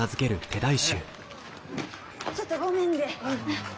ちょっとごめんで。